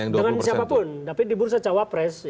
dengan siapapun tapi di bursa cawapres